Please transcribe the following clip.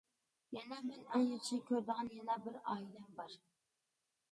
يەنە مەن ئەڭ ياخشى كۆرىدىغان يەنە بىر ئائىلەم بار.